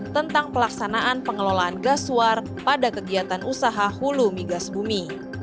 tentang pelaksanaan pengelolaan gas suar pada kegiatan usaha hulu migas bumi